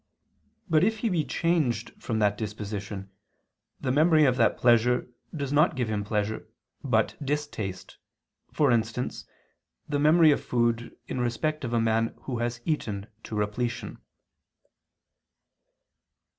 But if he be changed from that disposition, the memory of that pleasure does not give him pleasure, but distaste: for instance, the memory of food in respect of a man who has eaten to repletion.